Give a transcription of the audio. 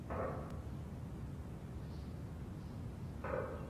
একই সঙ্গে কমিটি হলের পরিবেশ ফিরিয়ে আনার জন্য নয়টি সুপারিশ করেছে।